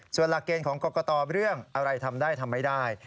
ส่วนหลักเกณฑ์ของกรกตเรื่องอะไรทำได้ทำไม่ได้